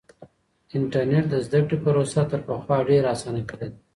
انټرنیټ د زده کړې پروسه تر پخوا ډېره اسانه کړې ده.